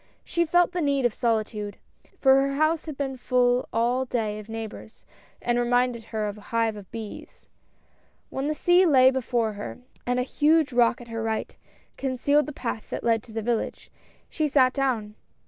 She felt the need of solitude, for her house had been full all day of neigh bors, and reminded her of a hive of bees. When the sea lay before her and a huge rock at her right concealed the path that led to the village, she sat down.